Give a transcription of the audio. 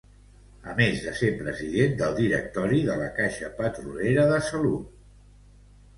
A més de ser president del directori de la Caixa Petrolera de Salut.